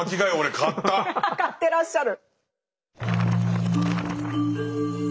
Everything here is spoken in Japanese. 買ってらっしゃる。